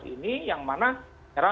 ini yang mana